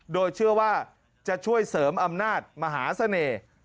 โดยเชื่อว่าจะช่วยเสริมอำนาจมหาเสน่ห์